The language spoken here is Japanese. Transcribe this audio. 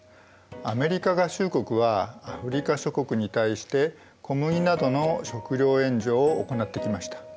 アメリカ合衆国はアフリカ諸国に対して小麦などの食糧援助を行ってきました。